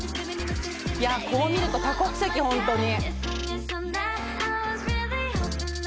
いやこう見ると多国籍ホントに。